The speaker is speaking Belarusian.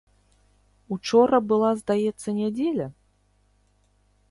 Учора была, здаецца, нядзеля?